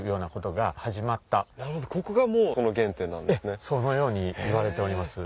ええそのようにいわれております。